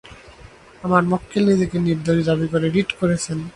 আমার মক্কেল নিজেকে নির্দোষ দাবি করে রিট করেছেন।